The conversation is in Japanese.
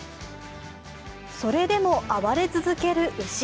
それでも暴れ続ける牛。